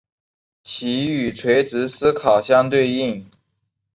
其与垂直思考相对应。